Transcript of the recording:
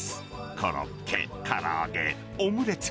コロッケ、から揚げ、オムレツ。